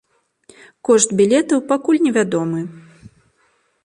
Кошт білетаў пакуль невядомы.